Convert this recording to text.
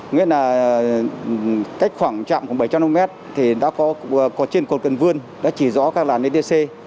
nghĩa là cách khoảng trạm bảy trăm linh m thì đã có trên cột cần vươn đã chỉ rõ các làn etc